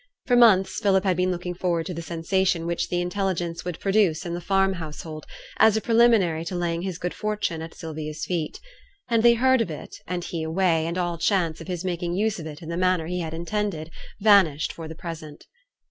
For months Philip had been looking forward to the sensation which the intelligence would produce in the farm household, as a preliminary to laying his good fortune at Sylvia's feet. And they heard of it, and he away, and all chance of his making use of it in the manner he had intended vanished for the present.